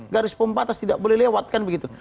garis pembatas tidak boleh lewatkan begitu